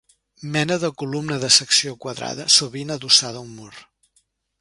Mena de columna de secció quadrada, sovint adossada a un mur.